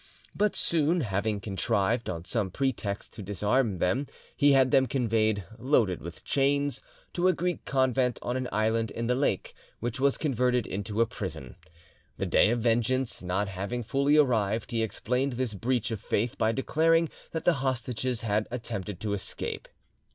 But soon, having contrived on some pretext to disarm them, he had them conveyed, loaded with chains, to a Greek convent on an island in the lake, which was converted into a prison. The day of vengeance not having fully arrived, he explained this breach of faith by declaring that the hostages had attempted to escape.